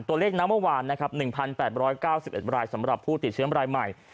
ตัวเลขน้ำเมื่อวานนะครับ๑๘๙๑รายสำหรับผู้ติดเชื้อรายใหม่